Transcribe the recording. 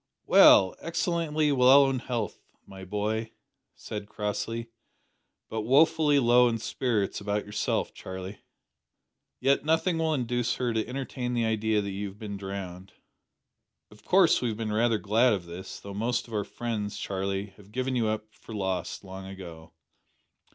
"Well excellently well in health, my boy," said Crossley, "but woefully low in spirits about yourself Charlie. Yet nothing will induce her to entertain the idea that you have been drowned. Of course we have been rather glad of this though most of our friends, Charlie, have given you up for lost long ago.